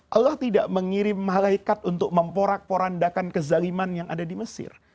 allah tidak mengirim malaikat untuk memporak porandakan kezaliman yang ada di mesir